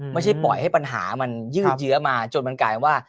ไม่ใช่ปล่อยให้ปัญหามันยืดเยื้อมาจนมันกลายว่า